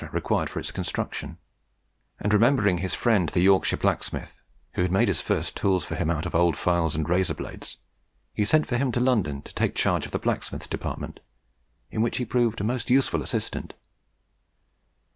required for its construction; and, remembering his friend the Yorkshire blacksmith, who had made his first tools for him out of the old files and razor blades, he sent for him to London to take charge of his blacksmith's department, in which he proved a most useful assistant.